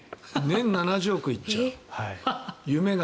年７０億行っちゃう。